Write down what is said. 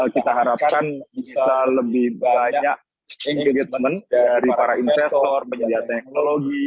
kita harapkan bisa lebih banyak engagement dari para investor penyedia teknologi